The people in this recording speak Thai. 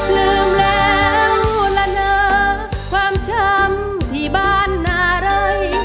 ลืมแล้วละนะความช้ำที่บ้านนารัย